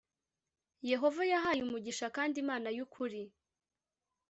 yehova yahaye umugisha kandi imana y ukuri